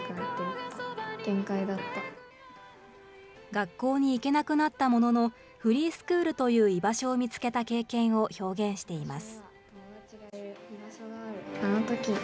学校に行けなくなったものの、フリースクールという居場所を見つけた経験を表現しています。